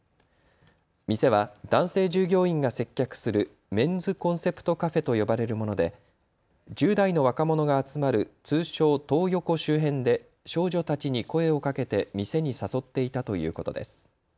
店は男性従業員が接客するメンズコンセプトカフェと呼ばれるもので１０代の若者が集まる通称、トー横周辺で少女たちに声をかけて店に誘っていたということです。